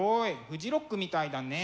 フジロックみたいだね。